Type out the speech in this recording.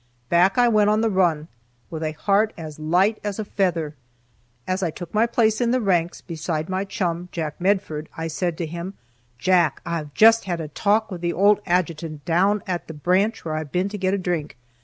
Back I went on the run, with a heart as light as a feather. As I took my place in the ranks beside my chum, Jack Medford, I said to him: "Jack, I've just had a talk with the old adjutant, down at the branch where I've been to get a drink.